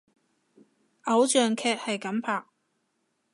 偶像劇係噉拍！